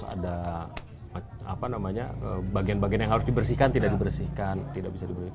ada bagian bagian yang harus dibersihkan tidak dibersihkan